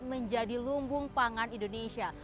menjadi lumbung pangan indonesia